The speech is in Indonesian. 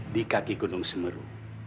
di kaki gunung semeru